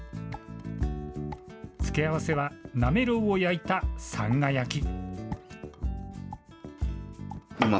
付け合わせは、なめろうを焼いたさんが焼き。